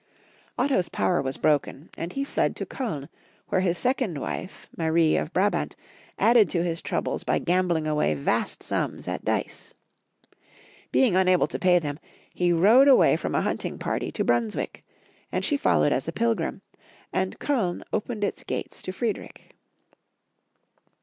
Otto's power was broken, and he fled to Koln, where his second wife, Marie of Brabant, added to his troubles by gambling away vast sums at dice. Being unable to pay them, he rode away from a hunting party to Brunswick, and she followed as a pilgrim, and Koln opened its gates to Friedrich.